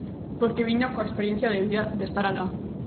Porque viña coa experiencia de vida de estar alá.